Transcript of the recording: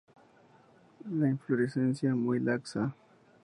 La inflorescencia muy laxa.